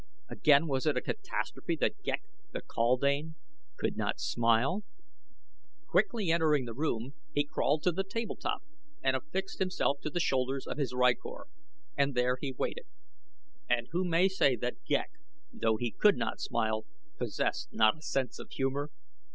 Again was it a catastrophe that Ghek, the kaldane, could not smile. Quickly entering the room he crawled to the table top and affixed himself to the shoulders of his rykor, and there he waited; and who may say that Ghek, though he could not smile, possessed not a sense of humor?